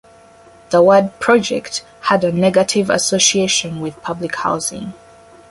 The word "project" had a negative association with public housing.